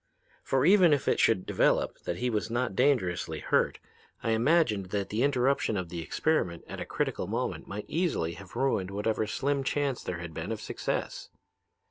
For even if it should develop that he was not dangerously hurt, I imagined that the interruption of the experiment at a critical moment might easily have ruined whatever slim chance there had been of success.